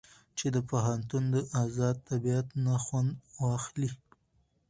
چې د پوهنتون د ازاد طبيعت نه خوند واخلي.